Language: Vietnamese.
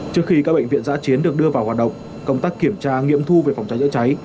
trước khi các bệnh viện giã chiến được đưa vào hoạt động công tác kiểm tra nghiệm thu về phòng cháy chữa cháy